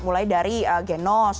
mulai dari genos